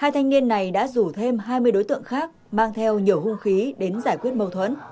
hai thanh niên này đã rủ thêm hai mươi đối tượng khác mang theo nhiều hung khí đến giải quyết mâu thuẫn